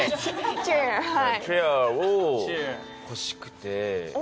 チェアを欲しくて。